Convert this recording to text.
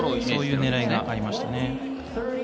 そういう狙いがありました。